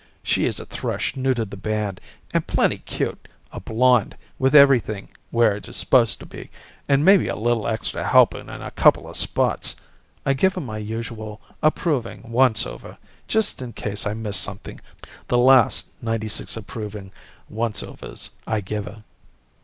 She is a thrush new to the band and plenty cute a blonde, with everything where it is supposed to be, and maybe a little extra helping in a couple spots. I give her my usual approving once over, just in case I miss something the last ninety six approving once overs I give her.